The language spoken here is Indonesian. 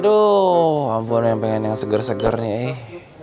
aduh ampun yang pengen yang seger seger nih